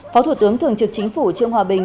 phó thủ tướng thường trực chính phủ trương hòa bình